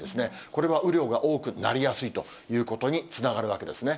これは雨量が多くなりやすいということにつながるわけですね。